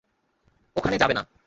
ওখানে যাবে না।